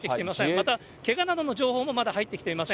また、けがなどの情報もまだ入ってきていません。